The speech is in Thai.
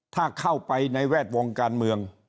ถ้าเข้าไปในแวดวงการเมือง